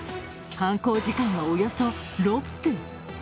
犯行時間はおよそ６分。